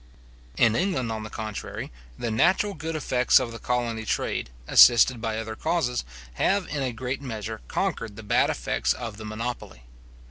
In England, on the contrary, the natural good effects of the colony trade, assisted by other causes, have in a great measure conquered the bad effects of the monopoly.